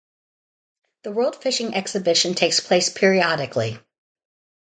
The World Fishing Exhibition takes place periodically.